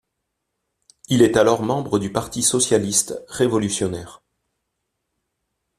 Il est alors membre du parti socialiste révolutionnaire.